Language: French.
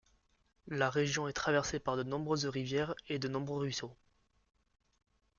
La région est traversée par de nombreuses rivières et de nombreux ruisseaux.